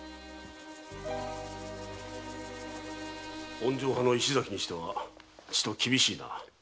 温情派の石崎にしてはちと厳しいな。